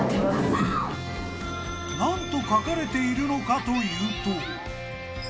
なんと書かれているのかというと。